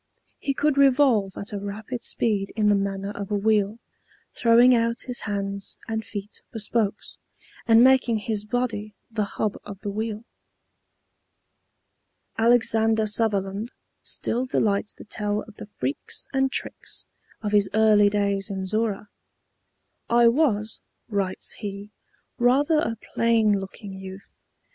He could revolve at a rapid speed in the manner of a wheel, throwing out his hands and feet for spokes, and making his body the hub of the wheel. Alexander Sutherland still delights to tell of the freaks and tricks of his early days in Zorra. "I was," writes he, "rather a plain looking youth.